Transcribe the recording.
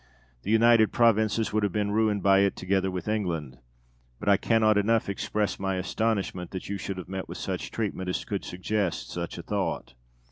The United Provinces would have been ruined by it together with England. But I cannot enough express my astonishment that you should have met with such treatment as could suggest such a thought.